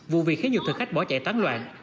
vụ việc khiến nhiều thực khách bỏ chạy tán loạn